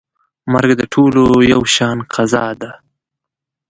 مرګ د ټولو یو شان قضا ده.